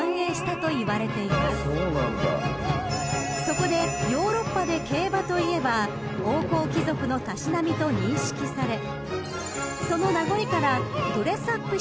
［そこでヨーロッパで競馬といえば王侯貴族のたしなみと認識され］